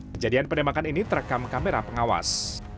kejadian penembakan ini terekam kamera pengawas